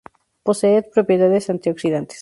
Posee propiedades antioxidantes.